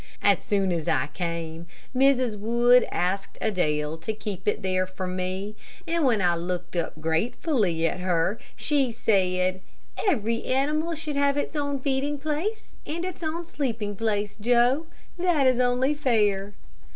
As soon as I came, Mrs. Wood asked Adele to keep it there for me and when I looked up gratefully at her, she said: "Every animal should have its own feeding place and its own sleeping place, Joe; that is only fair."